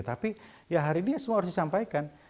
tapi ya hari ini semua harus disampaikan